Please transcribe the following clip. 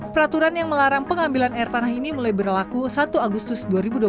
peraturan yang melarang pengambilan air tanah ini mulai berlaku satu agustus dua ribu dua puluh tiga